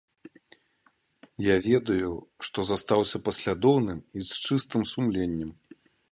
Я ведаю, што застаўся паслядоўным і з чыстым сумленнем.